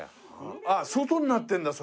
あっ外になってるんだそれ。